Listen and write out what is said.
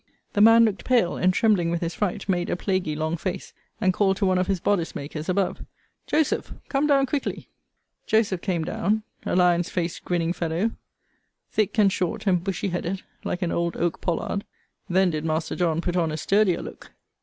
The man looked pale: and, trembling with his fright, made a plaguy long face; and called to one of his bodice makers above, Joseph, come down quickly. Joseph came down: a lion's face grinning fellow; thick, and short, and bushy headed, like an old oak pollard. Then did master John put on a sturdier look.